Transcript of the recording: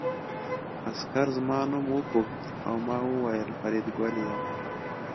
عسکر زما نوم وپوښت او ما وویل فریدګل یم